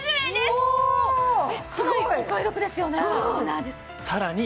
すごい！かなりお買い得ですよね。